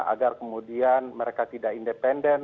agar kemudian mereka tidak independen